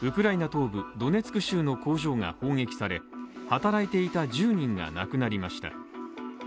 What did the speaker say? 東部ドネツク州の工場が砲撃され、働いていた１０人が亡くなりました。